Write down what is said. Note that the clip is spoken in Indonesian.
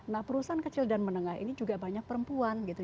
nah perusahaan kecil dan menengah ini juga banyak perempuan gitu